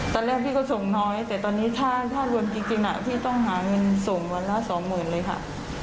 ตอนแรกพี่ก็ส่งน้อยแต่ตอนนี้ถ้ารวมจริงพี่ต้องหาเงินส่งวันละสองหมื่นเลยค่ะ